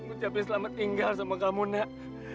ucapin selamat tinggal sama kamu nak